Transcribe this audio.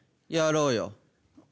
やろうよ。